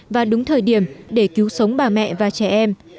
và đúng thời điểm để cứu sống bà mẹ và trẻ em